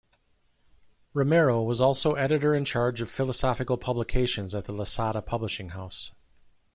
Romero was also editor in charge of philosophical publications at the Losada publishing house.